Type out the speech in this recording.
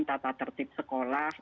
tata tertib sekolah